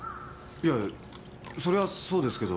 いやそれはそうですけど。